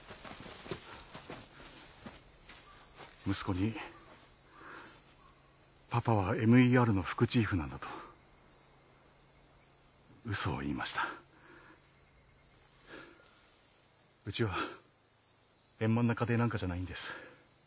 息子にパパはＭＥＲの副チーフなんだと嘘を言いましたうちは円満な家庭なんかじゃないんです